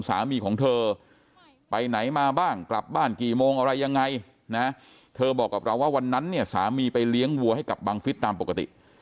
สามีของเธอไปไหนมาบ้างกลับบ้านกี่โมงอะไรยังไงนะเธอบอกกับเราว่าวันนั้นเนี่ยสามีไปเลี้ยงวัวให้กับบังฟิศตามปกติ